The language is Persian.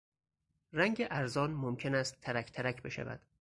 رنگ ارزان ممکن است ترک ترک بشود.